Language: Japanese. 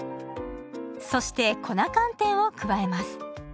そして粉寒天を加えます。